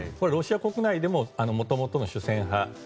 ロシア国内でももともと主戦派